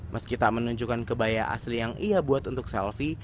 meski tak menunjukkan kebaya asli yang ia buat untuk selfie